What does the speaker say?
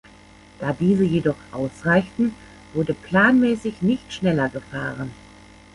Da diese jedoch ausreichten, wurde planmäßig nicht schneller gefahren.